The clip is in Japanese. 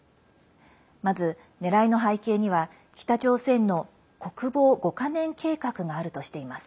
まず、ねらいの背景には北朝鮮の国防５か年計画があるとしています。